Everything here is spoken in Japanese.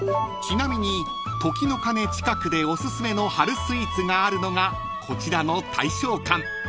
［ちなみに時の鐘近くでおすすめの春スイーツがあるのがこちらの］